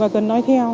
và cần nói theo